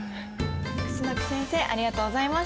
楠木先生ありがとうございました。